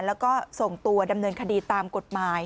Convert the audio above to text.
แล้วก็ส่งตัวดำเนินคดีตามกฎหมาย